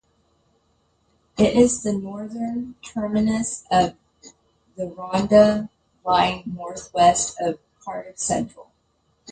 It is the northern terminus of the Rhondda Line north west of Cardiff Central.